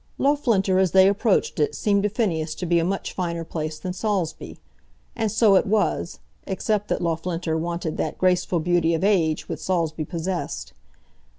Loughlinter, as they approached it, seemed to Phineas to be a much finer place than Saulsby. And so it was, except that Loughlinter wanted that graceful beauty of age which Saulsby possessed.